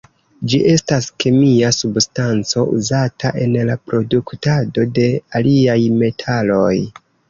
Ĝi estas kemia substanco uzata en la produktado de aliaj metaloj.